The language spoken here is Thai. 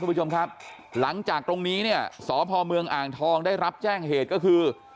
ผู้ชมครับหลังจากตรงนี้เนี่ยสพเมืองอ่างทองได้รับแจ้งเหตุก็คือ